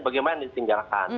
bagaimana yang ditinggalkan